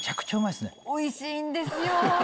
おいしいんですよ！